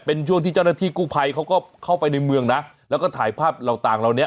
เป็นช่วงที่เจ้าหน้าที่กู้ภัยเขาก็เข้าไปในเมืองนะแล้วก็ถ่ายภาพเหล่าต่างเหล่านี้